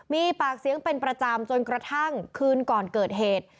มีปากเสียงเป็นประจำจนกระทั่งคืนก่อนเกิดเหตุ